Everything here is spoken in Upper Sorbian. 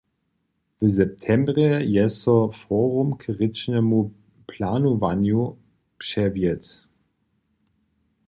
W septembrje je so forum k rěčnemu planowanju přewjedł.